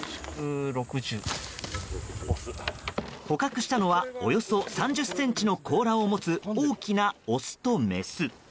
捕獲したのはおよそ３０ｃｍの甲羅を持つ大きなオスとメス。